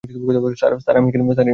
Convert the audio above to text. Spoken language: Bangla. স্যার, আমি এখানে নতুন।